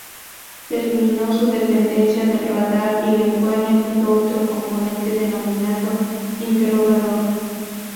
Se eliminó su dependencia del radar y le fue añadido otro componente denominado interrogador.